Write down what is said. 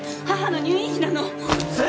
母の入院費なの！